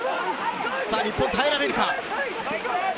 日本耐えられるか？